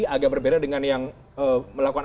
agak berbeda dengan yang melakukan